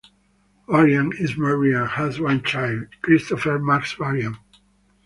Varian is married and has one child, Christopher Max Varian.